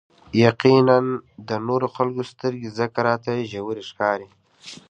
يقيناً د نورو خلکو سترګې ځکه راته ژورې ښکاري.